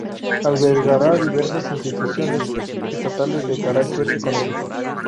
Albergará diversas instituciones estatales de carácter económico.